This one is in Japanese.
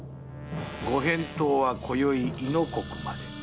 ご返答は今宵亥の刻まで。